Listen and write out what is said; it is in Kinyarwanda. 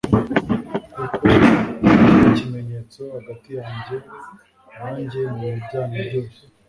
kuko ari yo kimenyetso hagati yanjye namwe mu bihe byanyu byose